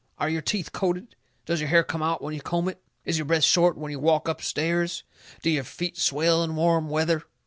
Are your teeth coated? Does your hair come out when you comb it? Is your breath short when you walk up stairs? Do your feet swell in warm weather?